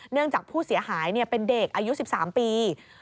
จากผู้เสียหายเป็นเด็กอายุ๑๓ปี